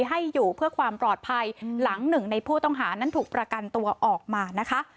ให้อยู่เพื่อความปลอดภัยหลังหนึ่งในผู้ต้องหานั้นถูกประกันตัวออกมานะคะ